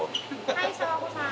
はい佐和子さん。